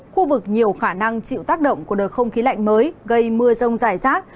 khu vực nhiều khả năng chịu tác động của đợt không khí lạnh mới gây mưa rông rải rác